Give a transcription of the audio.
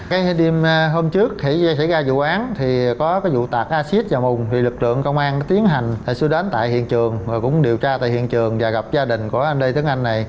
cái hôm trước thì xảy ra vụ án thì có cái vụ tạc acid vào mùng thì lực lượng công an tiến hành xưa đến tại hiện trường và cũng điều tra tại hiện trường và gặp gia đình của anh lê tướng anh này